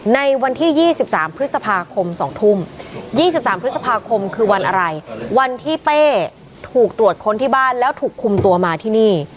ในวันที่๒๓พฤษภาคม๒ทุ่ม๒๓พฤษภาคมคือวันอะไรวันที่เป้ถูกตรวจค้นที่บ้านแล้วถูกคุมตัวมาที่นี่